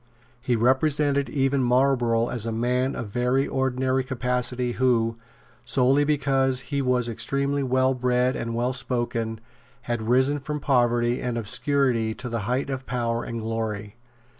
He represented even Marlborough as a man of very ordinary capacity, who, solely because he was extremely well bred and well spoken, had risen from poverty and obscurity to the height of power and glory.